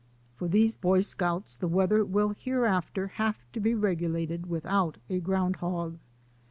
For these Boy Scouts the weather will hereafter have to be regulated without a ground hog.